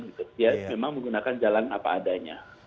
dia memang menggunakan jalan apa adanya